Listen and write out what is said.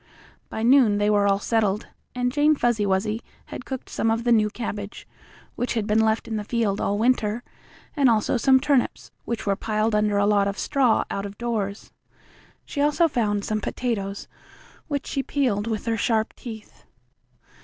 By noon they were all settled, and Jane Fuzzy Wuzzy had cooked some of the new cabbage, which had been left in the field all winter, and also some turnips, which were piled under a lot of straw out of doors. She also found some potatoes, which she peeled with her sharp teeth.